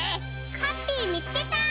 ハッピーみつけた！